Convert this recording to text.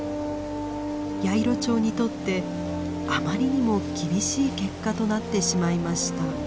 ヤイロチョウにとってあまりにも厳しい結果となってしまいました。